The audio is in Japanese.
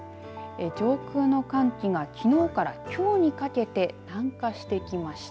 上空の寒気がきのうから、きょうにかけて南下してきました。